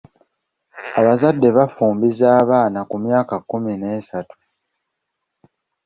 Abazadde bafumbiza abaana ku myaka kkumi n'esatu.